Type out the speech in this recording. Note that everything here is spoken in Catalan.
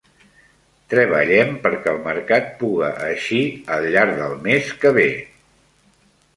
Treballem perquè el mercat puga eixir al llarg del mes que ve.